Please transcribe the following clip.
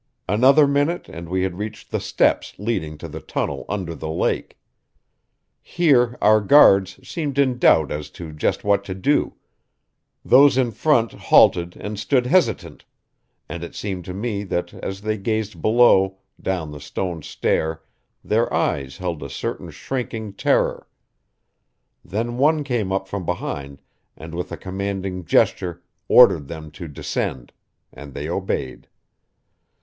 Another minute and we had reached the steps leading to the tunnel under the lake. Here our guards seemed in doubt as to just what to do; those in front halted and stood hesitant, and it seemed to me that as they gazed below down the stone stair their eyes held a certain shrinking terror. Then one came up from behind and with a commanding gesture ordered them to descend, and they obeyed.